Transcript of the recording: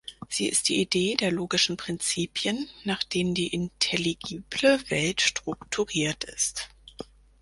Sie ist die Idee der logischen Prinzipien, nach denen die intelligible Welt strukturiert ist.